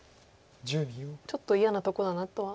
ちょっと嫌なとこだなとは。